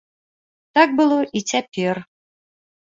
Так было і цяпер.